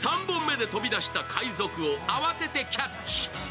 ３本目で飛び出した海賊を慌ててキャッチ。